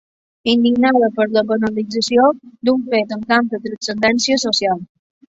Indignada per la banalització d'un fet amb tanta transcendència social.